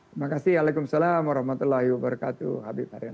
terima kasih waalaikumsalam warahmatullahi wabarakatuh